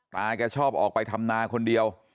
แกชอบออกไปทำนาคนเดียว